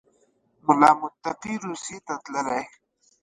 ملا متقي روسیې ته تللی